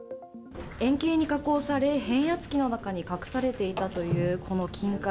円形に加工され、変圧器の中に隠されていたという、この金塊。